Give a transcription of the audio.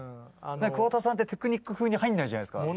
桑田さんってテクニックふうに入んないじゃないですか。